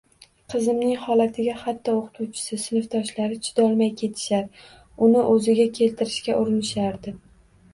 Qizimning holatiga hatto o`qituvchisi, sinfdoshlari chidolmay ketishar, uni o`ziga keltirishga urinishardi